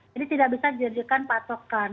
jadi tidak bisa dijadikan patokan